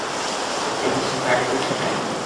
এই সিস্টেমটা আগে কেউ শেখায়নি।